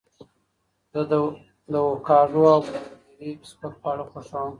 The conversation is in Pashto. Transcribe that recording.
زه د اوکاډو او بلوبېري سپک خواړه خوښوم.